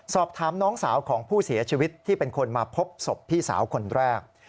สอบถามน้องสาวของผู้เสียชีวิตที่เป็นคนมาพบศพพี่สาวคนแรก